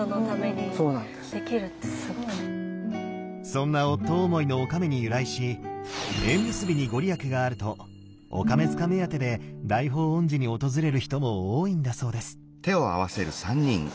そんな夫思いのおかめに由来し縁結びに御利益があるとおかめ塚目当てで大報恩寺に訪れる人も多いんだそうです。